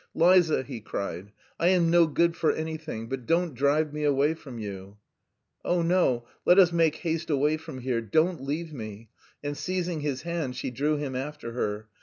"Liza," he cried, "I am no good for anything, but don't drive me away from you!" "Oh, no! Let us make haste away from here. Don't leave me!" and, seizing his hand, she drew him after her.